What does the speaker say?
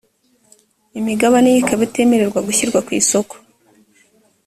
imigabane ye ikaba itemerewe gushyirwa ku isoko